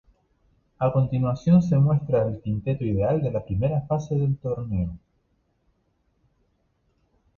A continuación se muestra al quinteto ideal de la primera fase del torneo.